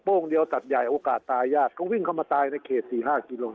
โป้งเดียวตัดใหญ่โอกาสตายญาติก็วิ่งเข้ามาตายในเขตสี่ห้ากิโลกรัม